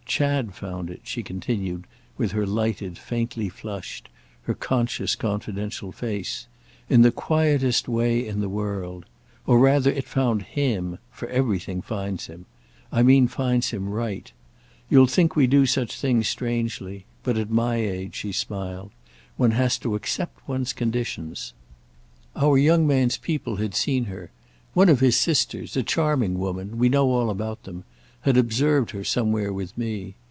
Chad found it," she continued with her lighted, faintly flushed, her conscious confidential face, "in the quietest way in the world. Or rather it found him—for everything finds him; I mean finds him right. You'll think we do such things strangely—but at my age," she smiled, "one has to accept one's conditions. Our young man's people had seen her; one of his sisters, a charming woman—we know all about them—had observed her somewhere with me.